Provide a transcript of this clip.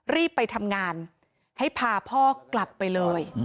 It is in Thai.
รีบไปทำงานให้พาพ่อกลับไปเลย